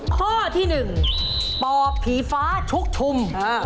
ข้อที่๑ปอบผีฟ้าชุกชุม